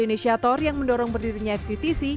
inisiator yang mendorong berdirinya fctc